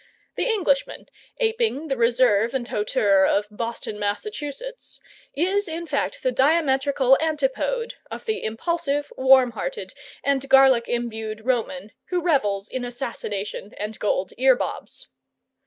The Englishman, aping the reserve and hauteur of Boston, Massachusetts, is, in fact, the diametrical antipode of the impulsive, warm hearted, and garlic imbued Roman who revels in assassination and gold ear bobs.